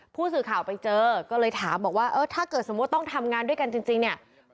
ผู้สื่อข่าวไปเจอก็เลยถามบอกว่าเออถ้าเกิดสมมุติต้องทำงานด้วยกันจริงเนี่ย